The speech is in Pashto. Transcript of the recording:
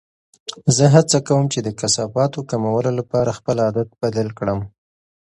زه هڅه کوم چې د کثافاتو کمولو لپاره خپل عادت بدل کړم.